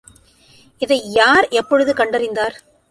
இதை யார் எப்பொழுது கண்டறிந்தார்?